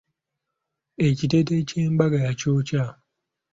Ekiteeteeyi ky'embaga yakyokya.